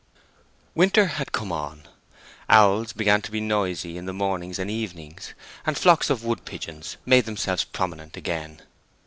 Winter had come on. Owls began to be noisy in the mornings and evenings, and flocks of wood pigeons made themselves prominent again.